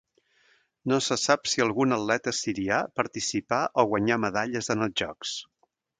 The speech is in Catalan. No se sap si algun atleta sirià participà o guanyà medalles en els Jocs.